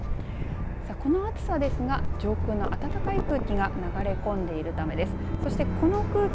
さあ、この暑さですが上空の暖かい空気が流れ込んでいるためです。